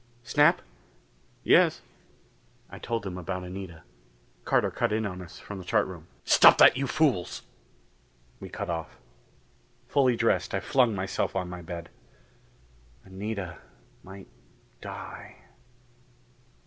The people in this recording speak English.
"Snap?" "Yes." I told him about Anita. Carter cut in on us from the chart room. "Stop that, you fools!" We cut off. Fully dressed, I flung myself on my bed. Anita might die....